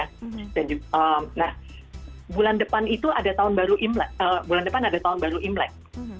nah bulan depan itu ada tahun baru imlek